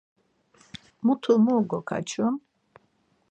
Mutu mu gokaçun?